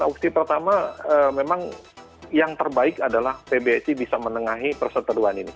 opsi pertama memang yang terbaik adalah pbsi bisa menengahi perseteruan ini